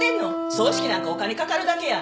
葬式なんかお金掛かるだけや！